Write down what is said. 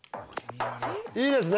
いいですね？